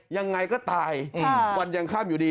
ยังไงก็ตายความเชื่อมวันยังขั้่มอยู่ดี